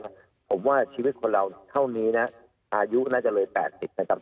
ผมว่าชีวิตคนเราเท่านี้นะอายุน่าจะเลย๘๐นะครับ